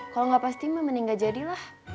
kalau gak pasti mending gak jadilah